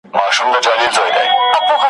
زاهده زړه مي له نفرته صبرولای نه سم ,